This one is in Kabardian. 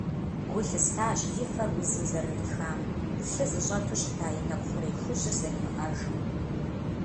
Гу лъыстащ и фэр узым зэрырихам, лъы зыщӀэту щыта и нэкӀу хъурей хужьыр зэримыӀэжым.